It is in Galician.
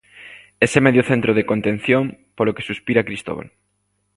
Ese medio centro de contención polo que suspira Cristóbal.